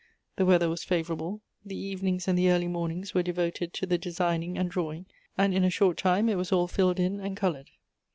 The weather was favorable. The evenings and the early mornings were devoted to the designing and drawing, and in a short time it was all filled in and colored.